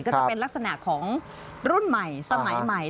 ก็จะเป็นลักษณะของรุ่นใหม่สมัยใหม่